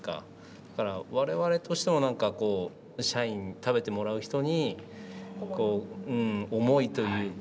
だから我々としても何か社員食べてもらう人にこう思いというか。